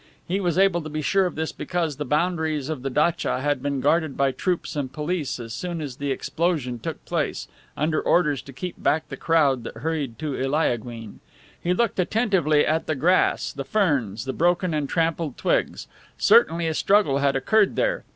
He was able to be sure of this because the boundaries of the datcha had been guarded by troops and police as soon as the explosion took place, under orders to keep back the crowd that hurried to Eliaguine. He looked attentively at the grass, the ferns, the broken and trampled twigs. Certainly a struggle had occurred there.